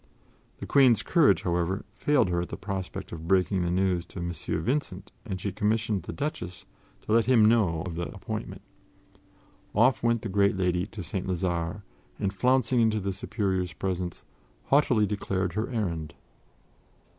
The Queen's courage, however, failed her at the prospect of breaking the news to M. Vincent, and she commissioned the Duchess to let him know of the appointment. Off went the great lady to St. Lazare, and, flouncing into the Superior's presence, haughtily declared her errand.